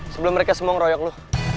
sebelum mereka semua ngeroyok loh